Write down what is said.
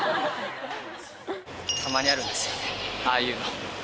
たまにあるんですよねああいうの。